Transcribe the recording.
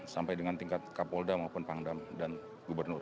sampai dengan tingkat kapolda maupun pangdam dan gubernur